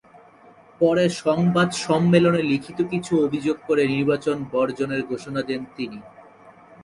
পরে সংবাদ সম্মেলনে লিখিত কিছু অভিযোগ করে নির্বাচন বর্জনের ঘোষণা দেন তিনি।